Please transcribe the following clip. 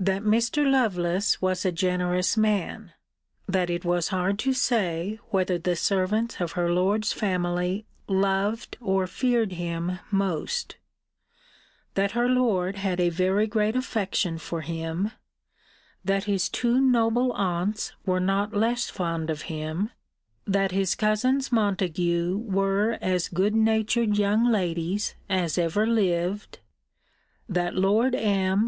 'That Mr. Lovelace was a generous man: that it was hard to say, whether the servants of her lord's family loved or feared him most: that her lord had a very great affection for him: that his two noble aunts were not less fond of him: that his cousins Montague were as good natured young ladies as ever lived: that Lord M.